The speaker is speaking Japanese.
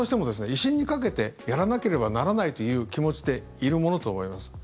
威信にかけてやらなければならないという気持ちでいるものと思います。